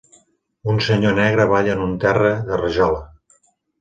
Un senyor negre balla en un terra de rajola.